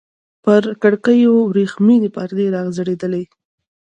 پر کړکيو ورېښمينې پردې راځړېدلې.